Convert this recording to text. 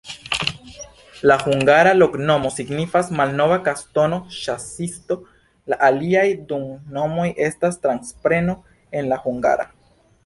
La hungara loknomo signifas: malnova-kastoro-ĉasisto, la aliaj du nomoj estas transpreno el la hungara.